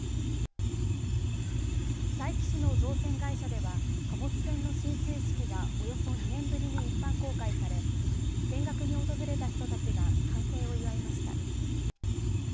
佐伯市の造船会社では貨物船の進水式がおよそ２年ぶりに一般公開され見学に訪れた人たちが完成を祝いました。